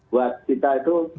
buat kita itu